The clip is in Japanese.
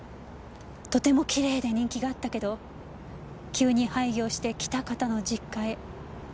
とてもきれいで人気があったけど急に廃業して喜多方の実家へ。